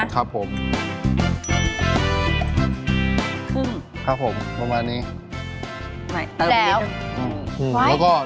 ครับผมเข้าละครับ